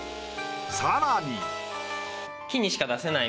さらに。